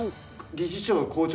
理事長・校長